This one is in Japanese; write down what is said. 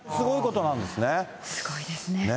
すごいですね。